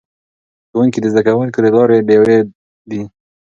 ښوونکي د زده کوونکو د لارې ډیوې دي.